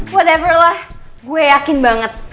whatever lah gue yakin banget